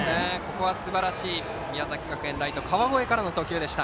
すばらしい宮崎学園のライト川越からの送球でした。